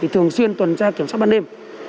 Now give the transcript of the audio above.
thường xuyên tuần tra kiểm soát ban đêm